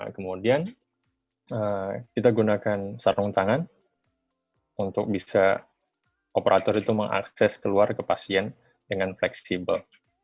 kemudian kita gunakan sarung tangan untuk bisa operator itu mengakses keluar ke pasien dengan fleksibel